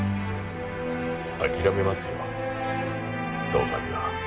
諦めますよ堂上は。